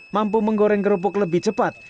mampu menggoreng kerupuk lebih cepat